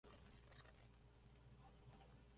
Al consigue ganar el campeonato de Liga.